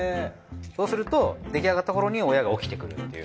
そうすると出来上がった頃に親が起きてくるっていう。